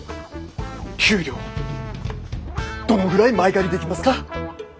給料どのぐらい前借りできますか？